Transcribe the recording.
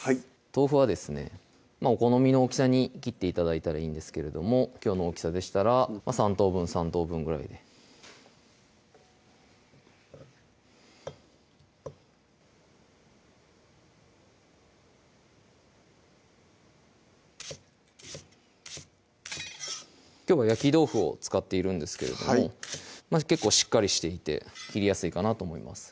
豆腐はですねお好みの大きさに切って頂いたらいいんですけどもきょうの大きさでしたら３等分・３等分ぐらいできょうは焼き豆腐を使っているんですけれども結構しっかりしていて切りやすいかなと思います